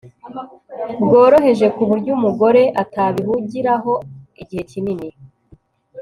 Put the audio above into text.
bworoheje ku buryo umugore atabihugiramo igihe kinini